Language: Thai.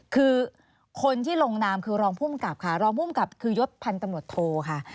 คือคนที่ลงนามคือรองภูมิกับค่ะรองภูมิกับคือยศพันธ์ตำรวจโทค่ะ